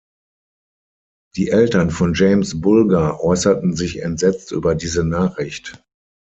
Die Eltern von James Bulger äußerten sich entsetzt über diese Nachricht.